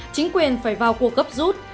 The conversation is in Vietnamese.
chính quyền phải vào cuộc gấp rút